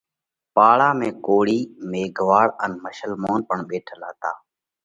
پاڙا ۾ ڪوۯِي، ميگھواۯ ان مشلمونَ پڻ ٻيٺل هتا۔